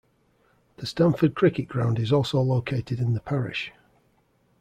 The Stanford Cricket Ground is also located in the parish.